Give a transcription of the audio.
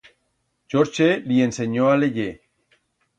Chorche li ensenyó a leyer.